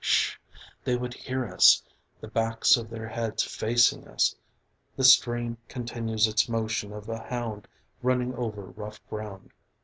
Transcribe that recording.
Sh! they would hear us. the backs of their heads facing us The stream continues its motion of a hound running over rough ground.